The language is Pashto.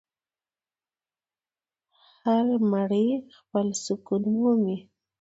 هر مړی خپل سکون مومي.